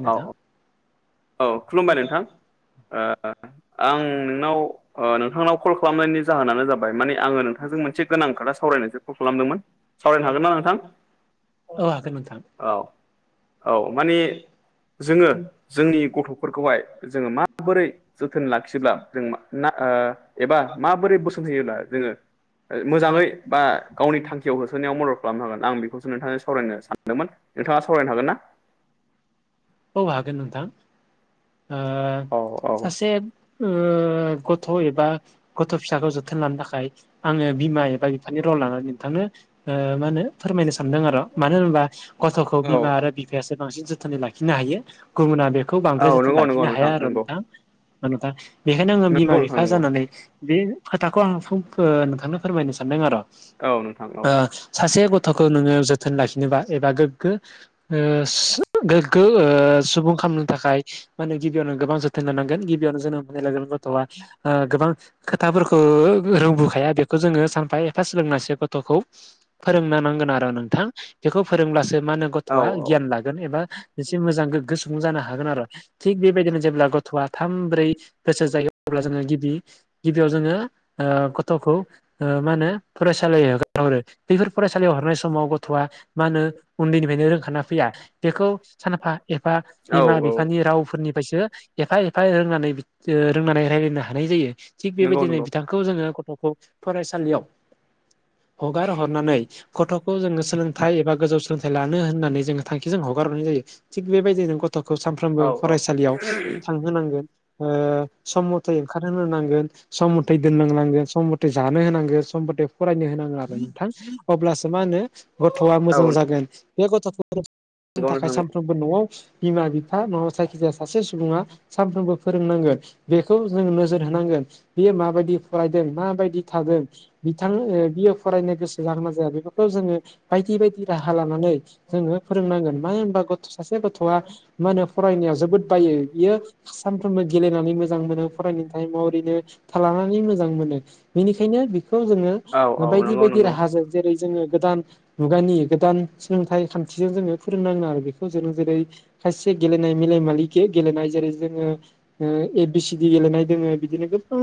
औ औ खुलुमबाय नोंथां ओ आं नोंनाव ओ नोंथांनाव कल खालामनायनि जाहोनानो जाबाय माने आङो नोंथांजों मोनसे गोनां खोथा सावरायनायस कल खालामदोंमोन। सावरायनो हागोन ना नोंथां? औ हागोन नोंथां औ औ माने जोङो जोंनि गथ'फोरखौहाय जोङो माबोरै जोथोन लाखियोब्ला जों ना ओ एबा माबोरै बोसोन होयोब्ला जोङो मोजाङै बा गावनि थांखियाव होसोनायाव मदद खालामनो हागोन आं बेखौसो नोंथांजों सावरायनो सानदोंमोन नोंथाङा सावरायनो हागोन ना औ हागोन नोंथां ओ औ औ सासे ओ गथ' एबा गथ' फिसाखौ जोथोन लानो थाखाय आङो बिमा एबा बिफानि रल लानानै नोंथांनो ओ मा होनो फोरमायनो सानदों आरो मानो होनोबा गथ'खौ औ बिमा आरो बि बिफायासो बांसिन जोथोनै लाखिनो हायो गुबुना बेखौ बांद्राय औ जोथोन नंगौ नंगौ लाखिनो हाया आरो नंगौ नोंथां मानोना बेखायनो आङो बिमा नंगौ नोंथां बिफा नंगौ जानानै बे खोथाखौ आं नोंथांनो फोरमायनो सानदों आरो औ नोंथां औ सासे गथ'खौ नोङो जोथोन लाखिनोबा एबा गोग्गो ओ गोग्गो ओ [inaudible] सुबुं खालामनो थाखाय माने गिबियावनो गोबां जोथोन लानांगोन गिबियावनो जोनो मोननाय लोगो गथ'आ ओ गोबां खोथाफोरखौ रोंबोखाया बेखौ जोङो सानफा एफा सोलोंनासो गथ'खौ फोरोंनो नांगोन आरो नोंथां बेखौ फोरोंब्लासो मा होनो औ गथ'आ गियान लागोन एबा एसे मोजां गोग्गो सुबुं जानो हागोन आरो थिग बेबायदिनो जेब्ला गथ'आ थाम ब्रै बोसोर जायो अब्ला जोङो गिबि गिबियाव जोङो गथ'खौ मा होनो फरायसालि हगारहरो बेफोर फरायसालियाव हरनाय समाव गथ'आ मा होनो उन्दैनिफ्रायनो रोंखाना फैया बेखौ फ एफा औ निमा बिफानि रावफोरनिफ्रायसो एफा एफा रोंनानै रोंनानै राय्लायनो हानाय जायो थिग नंगौ बेबायदिनो नंगौ बिथांखौ जोङो गथ'खौ फरायसालियाव हगार हरनानै गथ'खौ जोङो सोलोंथाइ एबा गोजौ सोलोंथाइ लानो होननानै जोङो थांखिजों हगार हरनाय जायो थिग बेबायदिनो गथ'खौ सानफ्रोमबो औ औ फरायसालियाव थांहोनांगोन सम मथे ओंखारहो नांगोन सम मथे दोननांनांगोन सम मथे जानो होनांगोन सम मथे फरायनो होनांगोन आरो नोंथां अब्लासो मा होनो गथ'आ मोजां औ जागोन बे गथ'फोरनि नंगौ थाखाय नोंथां सानफ्रोमबो न'आव बिमा बिफा न सायखिजाया सासे सुबुङा सानफ्रोमबो फोरोंनांगोन बेखौ जोंङ नोजोर होनांगोन बेयो माबायदि फरायदों माबायदि थादों बिथां बियो फरायनो गोसो ज गोनां जाया बेफोरखौ जोङो बायदि बायदि राहा लानानै जोङो फोरोंनांगोन मानो होनबा सासे गथ'आ मा होनो फरायनायाव जोबोद बायो बियो सानफ्रोमबो गेलेनानै मोजां मोनो [unintelligible] ओरैनो थानानै मोजां मोनो बेनिखायनो बेखौ जोङो औ औ बायदि नंगौ बायदि नंगौ राहाजों जेरै जोङो गोदान मुगानि गोदान सोलोंथाइ खान्थिजों जोङो फोरोंनां आरो बेखौ खौ जों जेरै खायसे गेलेनाय मेलेमारि गेलेनाय जेरै जोङो ए बि सिडि गेलेनाय दोङो बिदिनो गोबां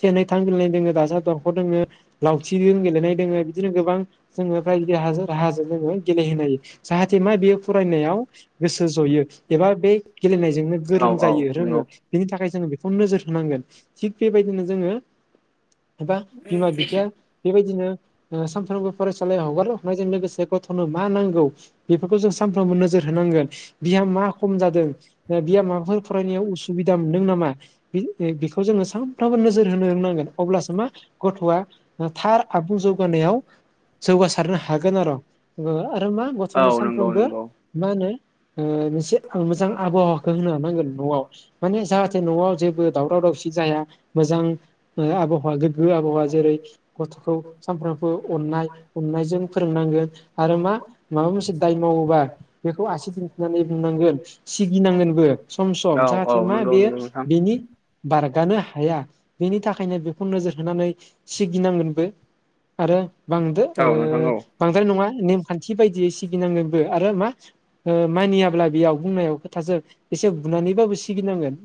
से नै थाम गेलेनाय दोङो दाजाब दरख' दोङो लावथि द गेलेनाय दोङो बिदिनो गोबां जोङो फ्राय राहाजों जोङो गेलेहोनो हायो जाहाथे मा बेयो फरायनायाव गोसो जयो एबा बे गेलेनायजोंनो गोरों जायो रोङो बेनि थाखाय जोङो बेखौ नोजोर होनांगोन थिग बेबायदिनो जोङो एबा बिमा बिफाया बेबायदिनो सानफ्रोमबो फरायसालियाव हगार हरनायजों लोगोसे गथ'नो मा नांगौ बेफोरखौ जों सानफ्रोमबो नोजोर होनांगोन बिहा मा खम जादों बिहा माबाफोर फरायनायाव उसुबिदा मोनदों नामा बेखौ जोङो सानफ्रामबो नोजोर होनो रोंनांगोन अब्लासो मा गथ'आ थार आबुं जौगानायाव जौगासारनो हागोन आरो' आरो मा गथ'आनो औ नंगौ सानफ्रोमबो नंगौ मा होनो मोनसे आं मोजां आबहावाखौ होनो हानांगोन न'आव माने जाहाथे न'आव जेबो दावराव दावसि जाया मोजां आबहावा गोग्गो आबहावा जेरै गथ'खौ सानफ्रोमबो अननाय अननायजों फोरोंनांगोन आरो मा माबा मोनसे दाय मावोबा बेखौ आसि दिन्थिनानै बुंनांगोन। सिगिनांगोनबो सम सम औ औ जाहाथे मा नंगौ बेयो नंगौ नोंथां बिनि बारगानो हाया बेनि थाखायनो बे नोजोर होनानै सिगिनांगोनबो आरो बांदो ओ औ नोंथां औ बांद्राय नङा नेमखान्थि बायदियै सिगिनांनोबो आरो मा ओ मानियाब्ला बेयाव बुंनायाव खोथासों एसे बुनानैबाबो सिगिनांगोन।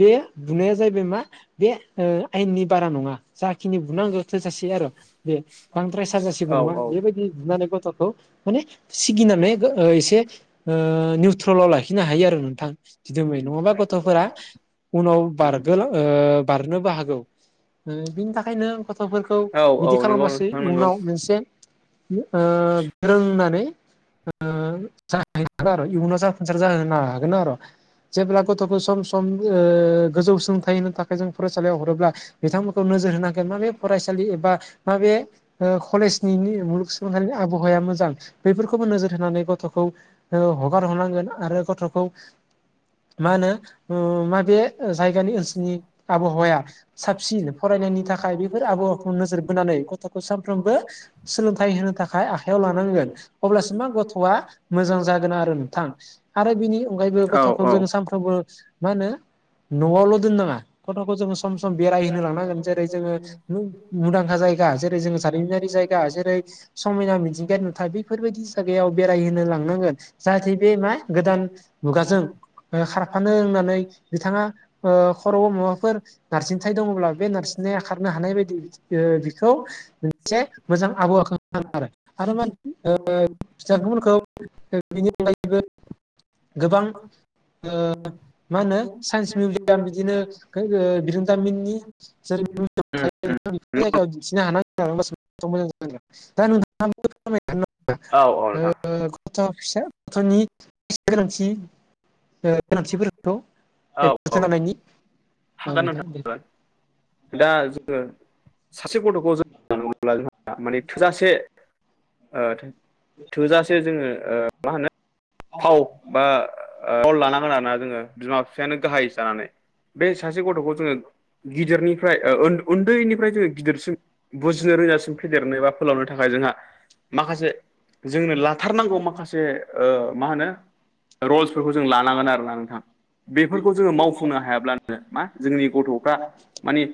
बे बुनाया जाहैबाय मा बे आयेननि बारा नङा जाखिनि बुनांगौ थोजासे आरो बे बांद्राय साजासेबो औ नङा बेबायदि नुनानै गथ'खौ माने सिगिनानै एसे ओ निउट्रलाव लाखिनो हायो आरो नोंथां दिदोमै नङाबा गथ'फोरा उनाव बारग बारनोबो हागौ बिनि थाखायनो गथ'फोरखौ औ औ बिदि नंगौ खालामबासो नोंथां नंगौ उनाव मोनसे रोंनानै जाहैगोन आरो इयुनाव जाफुंसार जाहोनो हागोन आर' जेब्ला गथ'खौ सम सम ओ गोजौ सोलोंथाइ होनो थाखाय जों फरायसालियाव हरोब्ला बिथांमोनखौ नोजोर होनांगोन माबे फरायसालि एबा माबे ओ कलेजनि नि मुलुगसोलोंसालिनि आबहावाया मोजां बेफोरखौबो नोजोर होनानै गथ' हगार हरनांगोन आरो गथ'खौ मा होनो ओ माबे जायगानि ओनसोलनि आबहावाया साबसिन फरायनायनि थाखाय बेफोर आब नोजोर बोनानै गथ'खौ सामफ्रोम्बो सोलोंथाइ होनो थाखाय आखायाव लानांगोन। अब्लासो मा गथ'आ मोजां जागोन आरो नोंथां आरो बिनि अनगायैबो औ गथ'खौ औ जोंङो सानफ्रो [unintelligible] माहोनो न'आवल' दोननाङा गथ'खौ जों सम सम बेरायहोनो लांनांगोन जेरै जोङो मुं-मुंदांखा जायगा जेरै जोङो जारिमिनारि जायगा जेरै समायना मिथिंगानि नुथाय बैफोरबायदि जायगायाव बेरायहोनो लां नांगोन जाहाथे बे मा गोदान मुगाजों ओ खारफानो होननानै बिथाङा ओ खर'आव माबाफोर नारसिन्थाय दङब्ला बे नारसिन्नाया खारनो हानाय बायदि ओ बिखौ मोनसे मोजां आबहावाखो आरो आरो ओ मा बिथांमोनखौ बिनि अनगायैबो गोबां ओ माहोनो साइन्स मिउजियाम बिदिनो ओ बिरोंदामिननि [unintelligible] उम जाय दिन्थिनो हानांगोन मोजां जांगोन दा नोंथाङा [unintelligible] औ औ नोंथां ओ गथ' फिसा गथ'नि गोनांथि ओ गोनांथिफोरखौ औ औ [unintelligible] औ नोंथां दे। दा जोङो सासे गथ'खौ जों जोथोन लानांगौब्ला जोंहा माने थोजासे ओ थो थोजासे जोङो ओ माहोनो फाव बा ओ रल लानांगोन आरोना जोङो बिमा बिफायानो गाहाय जानानै। बे सासे गथ'खौ जोङो गिदिरनि ओ उन्दैनिफ्राय जोङो गिदिरसिम बुजिनो रोंजासिम फेदेरनोबा बा फोलावनो थाखाय जोंहा माखासे जोंनो लाथारनांगौ माखासे ओ माहोनो रल्सफोरखौ जों लानांगोन आरो ना नोंथां। बेफोरखौ जोङो मावफुंनो हायाब्लानो मा जोंनि गथ'फ्रा मानि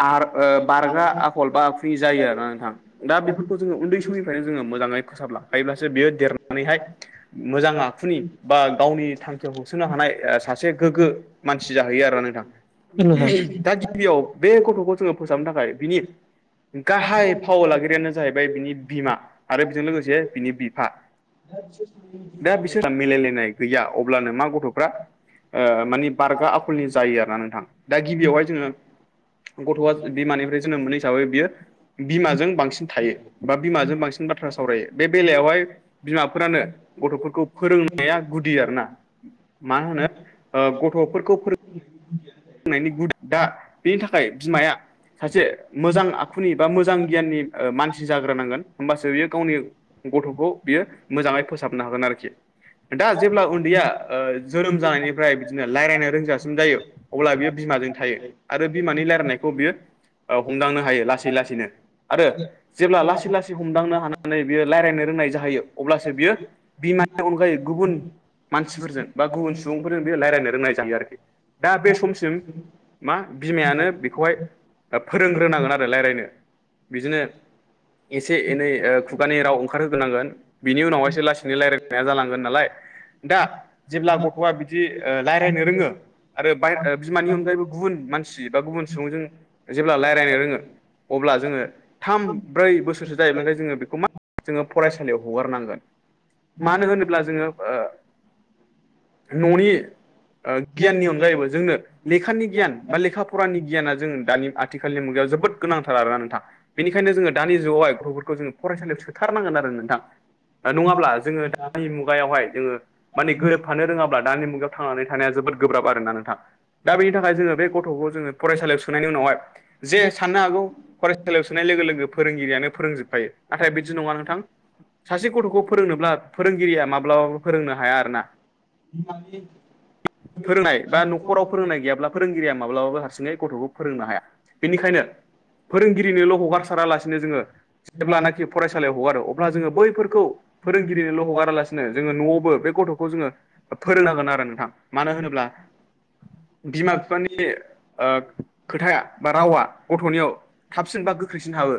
आर ओ बारगा आखल बा फ्रि जायो आरोना नोंथां दा बेफोरखौ जोङो उन्दै समनिफ्रायनो जोङो मोजाङै फोसाबलांखायोब्लासो बियो देरनानैहाय मोजां आखुनि बा गावनि थांखियाव होसोनो हानाय सासे गोग्गो मानसि जाहैयो आरो नोंथां। दा गिबियाव बे गथ'खौ जोङो फोसाबनो थाखाय बिनि गाहाय फाव लागिरियानो जाहैबाय बिनि बिमा आरो बेजों लोगोसे बिनि बिफा दा बिसोरहा मिलायलायनाय गैया अब्लानो मा गथ'फ्रा [inaudible] ओ मानि बारगा आखलनि जायो आरोना नोंथां दा गिबियावहाय जोङो गथ'आ बिमानिफ्राय जोनोम मोनो हिसाबै बियो बिमाजों बांसिन थायो बा बिमाजों बांसिन बाथ्रा सावरायो बे बेलायावहाय बिमाफोरानो गथ'फोरखौ फोरोंनाया गुदि आरो ना मा होनो ओ गथ'फोरखौ फोरों [unintelligible] नायनि गुदि दा बेनि थाखाय बिमाया सासे मोजां [unintelligible] आखुनि बा मोजां गियाननि ओ मानसि जाग्रोनांगोन होमबासो बियो गावनि गथ'खौ बियो मोजाङै फोसाबनो हागोन आरोखि दा जेब्ला उन्दैया ओ जोनोम जानायनिफ्राय बिदिनो लायरायनो रोंजासिम जायो अब्ला बियो बिमाजों थायो आरो बिमानि रायलायनायखौ बियो ओ हमदांनो हायो लासै लासै लासैनो आरो जेब्ला लासै लासै हमदांनो हानानै बियो लायरायनो रोंनाय जाहैयो अब्लासो बियो बिमानि अनगायै गुबुन मानसिफोरजों बा गुबुन सुबुंफोरजों बे लायरायनो रोंनाय जाहैयो आरोखि दा बे समसिम मा बिमायानो बेखौहाय फोरोंग्रोनांगोन आरो रायलायनो। बिदिनो एसे एनै ओ खुगानि राव ओंखारहोग्रोनांगोन बिनि उनावहायसो लासै रायलायनाया जालांगोन नालाय। दा जेब्ला गथ'आ बिदि रायलायनो रोंङो आरो बाय बिमानि अनगायैबो गुबुन मानसि बा गुबुन सुबुंजों जेब्ला रायलायनो रोंङो। अब्ला जोंङो थाम ब्रै बोसोरसो जाहैब्लाथाय जोंङो बेखौ मा जोंङो फरायसालियाव हगारनांगोन। मानो होनोब्ला जोंङो ओ न'नि ओ गियाननि अनगायैबो जोंनो लेखानि गियान बा लेखा फरानि गियाना जों दानि आथिखालनि मुगायाव जोबोद गोनांथार आरोना नोंथां। बेनिखायनो जोंङो दानि जुगावहाय गथ'फोरखौ जोंङो फरायसालियाव सोथारनांगोन आरो नोंथां। ओ नङाब्ला जोंङो दानि मुगायावहाय जोंङो माने गोरोबफानो रोङाब्ला दानि मुगायाव थांनानै थानाया जोबोद गोब्राब आरो ना नोंथां। दा बेनि थाखाय जोंङो बे गथ'खौ जोंङो फरायसालियाव सोनायनायनि उनावहाय जे साननो हागौ फरायसालियाव सोनाय लोगो-लोगो फोरोंगिरियानो फोरोंजोबखायो नाथाय बिदि नङा नोंथां सासे गथ'खौ फोरोंनोब्ला फोरोंगिरिया माब्लाबाबो फोरोंनो हाया आरो ना फोरोंनाय बा न'खराव [inaudible] फोरोंनाय गैयाब्ला फोरोंगिरिया माब्लाबाबो हारसिङै गथ'खौ फोरोंनो हाया बेनिखायनो फोरोंगिरिनोल' हगारसारालासिनो जोङो जेब्लानाखि फरायसालियाव हगारो अब्ला जोङो बैफोरखौ फोरोंगिरिनोल' हगारालासिनो जोङो न'आवबो बे गथ'खौ जोङो फोरोंनांगोन आरो नोंथां मानो होनोब्ला बिमा-बिफानि ओ खोथाया बा रावा गथ'नियाव थाबसिन बा गोख्रैसिन हाबो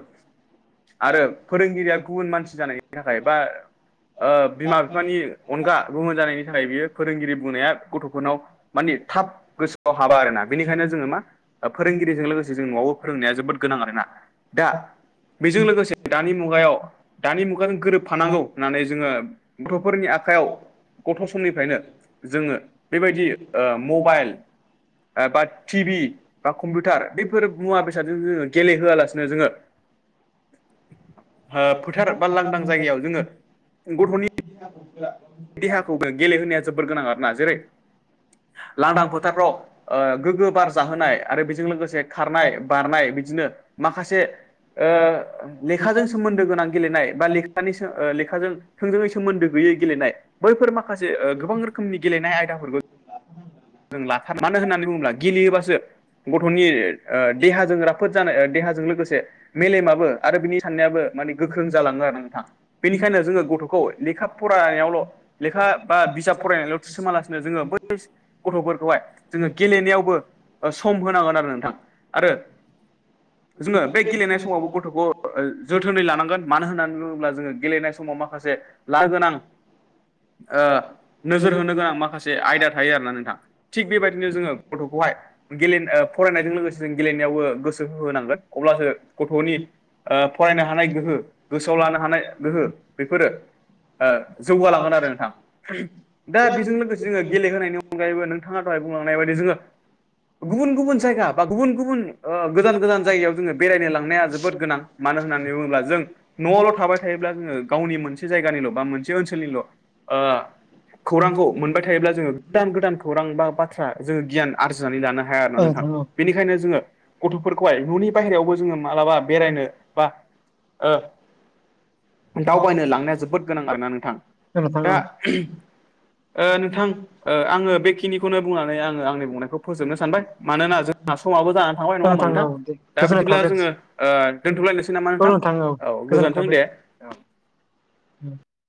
आरो फोरोंगिरिया गुबुन मानसि जानायनि थाखाय बा ओ बिमा-बिफानि अनगा गुबन जानायनि थाखाय बियो फोरोंगिरि बुंनाया गथ'फोरनाव मानि थाब गोसोआव हाबा आरोना बेनिखायनो जोङो मा फोरोंगिरिजों लोगोसे जों न'आवबो फोरोंनाया जोबोद गोनां आरोना। दा बेजों लोगोसे दानि मुगायाव दानि मुगाजों गोरोबफानांगौ होननानै जोङो गथ'फोरनि आखायाव गथ' समनिफ्रायनो जोङो बेबायदि ओ मबाइल बा टिभि बा कम्पिउटार बेफोर मुवा बेसादजों जोङो गेलेहोआलासिनो जोङो [inaudible] ओ फोथार बा लांदां जायगायाव जोङो गथ'नि [unintelligible] देहाखौ गेलेहोनाया जोबोर गोनां आरोना जेरै लांदां फोथारफ्राव ओ गोग्गो बार जाहोनाय आरो बेजों लोगोसे खारनाय बारनाय बिदिनो माखासे ओ लेखाजों सोमोन सोमोन्दो गोनां गेलेनाय बा लेखानि सो ओ लेखाजों थोंजोङै सोमोन्दो गैयै गेलेनाय। बैफोर माखासे ओ गोबां रोखोमनि गेलेनाय आयदाफोरबो [inaudible] जों लाथार मानो होननानै बुङोब्ला गेलेयोबासो गथ'नि ओ देहाजों राफोद जानाय ओ देहाजों लोगोसे मेलेमाबो आरो बिनि साननायाबो माने गोख्रों जालाङो आरो नोंथां। बेनिखायनो जोङो गथ'खौ लेखा फरायनायावल' लेखा बा बिजाब फरायनायावल' थुसोमालासिनो जोङो बैस गथ'फोरखौहाय जोङो गेलेनायावबो ओ सम होनांगोन आरो नोंथां आरो जोङो बे गेलेनाय समावबो गथ'खौ ओ जोथोनै लानांगोन मानो होननानै बुङोब्ला जोङो गेलेनाय समाव माखासे ला गोनां ओ नोजोर होनो गोनां माखासे आयदा थायो आरोना नोंथां। थिग बेबायदिनो जोङो गथ'खौहाय गेलेन ओ फरायनायजों लोगोसे जों गेलेनायावबो गोसो [unintelligible] होनांगोन अब्लासो गथ'नि ओ फरायनो हानाय गोहो गोसोआव लानो हानाय गोहो बेफोरो ओ जौगालांगोन आरो नोंथां दा बेजों लोगोसे जोङो गेलेहोनायनि अन अनगायैबो नोंथाङा दहाय बुंलांनाय बायदि जोङो गुबुन गुबुन जायगा बा गुबुन गुबुन ओ गोजान गोजान जायगायाव जोङो बेरायनो लांनाया जोबोद गोनां मानो होननानै बुङोब्ला जों न'आवल' थाबाय थायोब्ला जोङो गावनि मोनसे जायगानिल' बा मोनसे ओनसोलनिल' ओ खौरांखौ मोनबाय थायोब्ला जोङो गोदान गोदान खौरां बा बाथ्रा जोङो गियान आरजिनानै लानो हाया आरो ना औ नोंथां बेनिखायनो जोङो गथ'फोरखौहाय न'नि बायहेरायावबो जोङो मालाबा बेरायनो बा ओ दावबायनो लांनाया जोबोद गोनां आरोना नोंथां नोंथां औ नोंथां औ दा ओ नोंथां ओ आङो बेखिनि निखौनो बुंनानै आङो आंनि बुंनायखौ फोजोबनो सानबाय मानोना जोंहा समाबो जानानै थांबाय औ नङा होमा नोंथां? औ दे दा गोजोननाय बिदिब्ला थाबाय जोङो ओ दोनथ'लायनोसै नामा औ नोंथां औ गोजोननाय गोजोन्थों दे थाबाय औ। [inaudible]